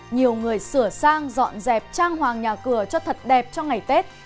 nhiều người sửa sang dọn dẹp trang hoàng nhà cửa cho thật đẹp cho ngày tết